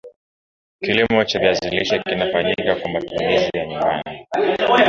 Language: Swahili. kilimo cha viazi lishe kinafanyika kwa matumizi ya nyumbani